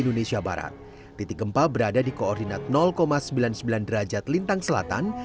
di kepulauan mentawai gempa berada di koordinat sembilan puluh sembilan derajat lintang selatan